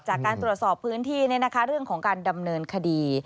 จากการตรวจสอบพื้นที่เรื่องของการดำเนินคดี